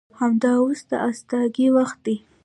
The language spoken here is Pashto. همدا اوس د استادګۍ وخت دى.